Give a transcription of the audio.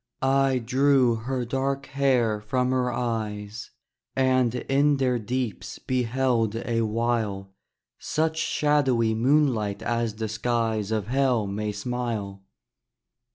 I drew her dark hair from her eyes, And in their deeps beheld a while Such shadowy moonlight as the skies Of Hell may smile.